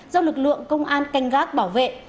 do lực lượng công an canh gác bảo vệ